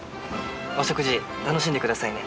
お食事楽しんでくださいね。